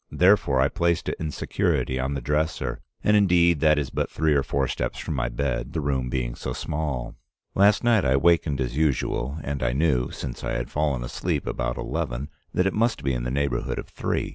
Therefore I placed it in security on the dresser, and, indeed, that is but three or four steps from my bed, the room being so small. Last night I wakened as usual, and I knew, since I had fallen asleep about eleven, that it must be in the neighborhood of three.